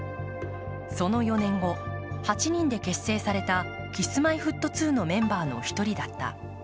その４年後、８人で結成されたＫｉｓ−Ｍｙ−Ｆｔ２のメンバーの１人だった。